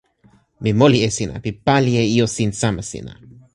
mi moli e sina. mi pali e ijo sin sama sina.